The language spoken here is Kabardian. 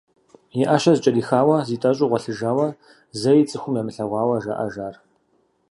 И ӏэщэ зыкӏэрихауэ, зитӏэщӏу гъуэлъыжауэ зэи цӏыхум ямылъэгъуауэ жаӏэж ар.